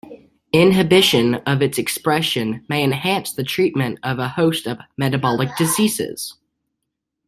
Inhibition of its expression may enhance the treatment of a host of metabolic diseases.